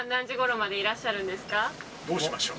まどうしましょう。